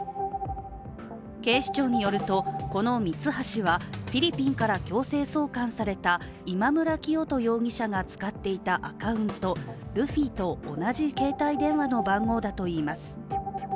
警視庁によると、このミツハシはフィリピンから強制送還された今村磨人容疑者が使っていたアカウントルフィと同じ携帯電話の番号だといいます。